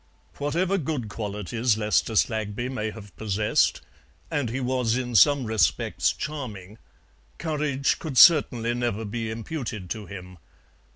Whatever good qualities Lester Slaggby may have possessed, and he was in some respects charming, courage could certainly never be imputed to him.